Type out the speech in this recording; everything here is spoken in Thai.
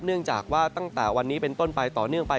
เนื่องจากว่าตั้งแต่วันนี้เป็นต้นไปต่อเนื่องไป